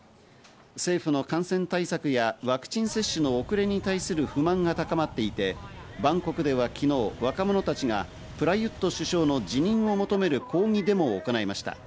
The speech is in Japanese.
政府の感染対策やワクチン接種の遅れに対する不満が高まっていて、バンコクでは昨日、若者たちがプラユット首相の辞任を求める抗議デモを行いました。